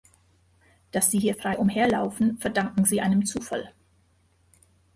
Daß sie hier frei umherlaufen, verdanken sie einem Zufall«.